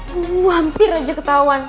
hampir aja ketahuan